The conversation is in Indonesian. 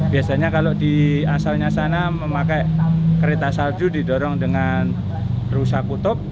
biasanya kalau di asalnya sana memakai kereta salju didorong dengan rusa kutub